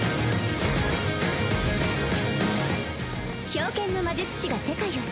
「冰剣の魔術師が世界を統べる」